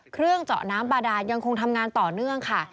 เครื่องเจาะน้ำบาดานยังคงทำงานต่อเนื่องค่ะ